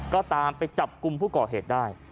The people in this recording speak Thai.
ก็ตามไปจับกลุ่มผู้ก่อเหตุได้